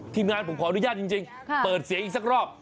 ทีมงานผมขออนุญาตจริงเปิดเสียงอีกสักรอบ